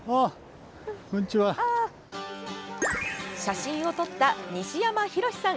写真を撮った西山宏さん